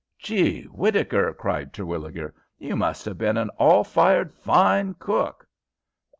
"Geewhittaker!" cried Terwilliger, "you must have been an all fired fine cook."